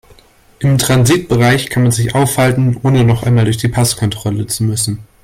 Im Transitbereich kann man sich aufhalten, ohne noch einmal durch die Passkontrolle zu müssen.